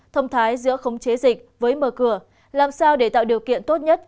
thông thái giữa khống chế dịch với mở cửa làm sao để tạo điều kiện tốt nhất